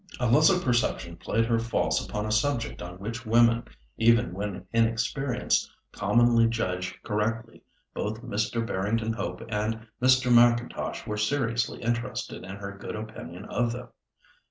Unless her perception played her false upon a subject on which women, even when inexperienced, commonly judge correctly, both Mr. Barrington Hope and Mr. M'Intosh were seriously interested in her good opinion of them.